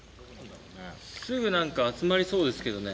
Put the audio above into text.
すぐ何か集まりそうですけどね。